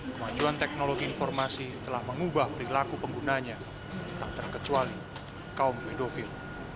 kemajuan teknologi informasi telah mengubah perilaku penggunanya tak terkecuali kaum pedofil